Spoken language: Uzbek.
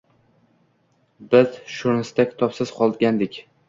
Biz Shrunsda kitobsiz qolgandik.